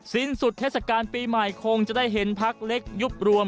สิ้นสุดเทศกาลปีใหม่คงจะได้เห็นพักเล็กยุบรวม